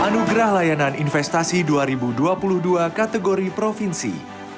anugerah layanan investasi dua ribu dua puluh dua kategori provinsi